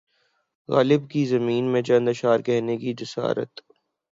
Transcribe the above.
غالب کی زمین میں چند اشعار کہنے کی جسارت